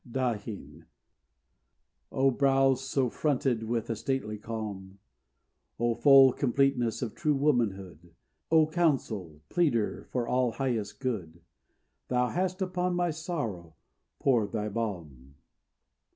DAHIN O brow, so fronted with a stately calm, O full completeness of true womanhood, O counsel, pleader for all highest good, Thou hast upon my sorrow poured thy balm!